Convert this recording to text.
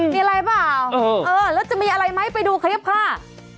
มีอะไรเหรอเปล่าเออแล้วจะมีอะไรไหมไปดูขยับค่า